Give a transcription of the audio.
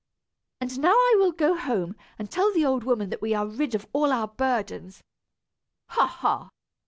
And now, I will go home, and tell the old woman that we are rid of all our burdens. Ha! ha!